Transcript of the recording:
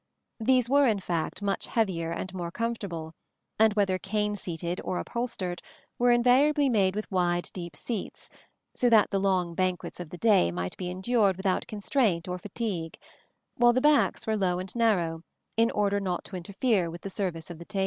These were in fact much heavier and more comfortable, and whether cane seated or upholstered, were invariably made with wide deep seats, so that the long banquets of the day might be endured without constraint or fatigue; while the backs were low and narrow, in order not to interfere with the service of the table.